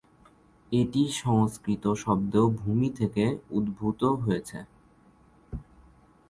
এটি সংস্কৃত শব্দ ভূমি থেকে উদ্ভূত হয়েছে।